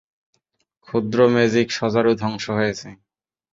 ক্ষুদ্র ম্যাজিক সজারু ধ্বংস হয়েছে।